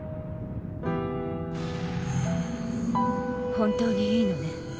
本当にいいのね？